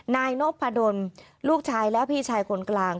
นายนพดลลูกชายและพี่ชายคนกลาง